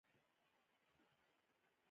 نو دسمبر کي یې څرنګه ده ته د مرکې لار جوړوله